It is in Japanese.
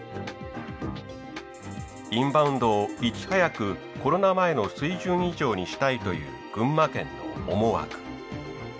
インバウンドをいち早くコロナ前の水準以上にしたいという群馬県の思惑。